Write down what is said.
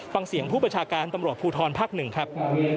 ฟังเสียงผู้ประชาการตำรวจภูทรภักดิ์๑ครับ